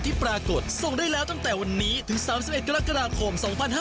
ปรากฏส่งได้แล้วตั้งแต่วันนี้ถึง๓๑กรกฎาคม๒๕๕๙